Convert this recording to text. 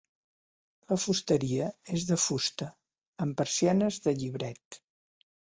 La fusteria és de fusta, amb persianes de llibret.